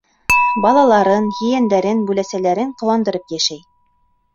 Балаларын, ейәндәрен, бүләсәләрен ҡыуандырып йәшәй.